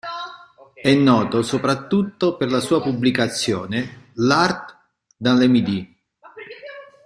È noto soprattutto per la sua pubblicazione "L'Art dans le Midi.